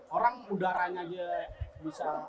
orang udaranya aja bisa